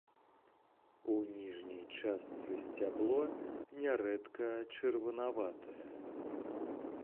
У ніжняй частцы сцябло нярэдка чырванаватае.